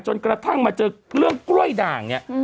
จนกระทั่งมาเจอเรื่องกล้วยด่างเนี่ย